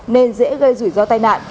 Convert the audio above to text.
nên dễ gây rủi ro tai nạn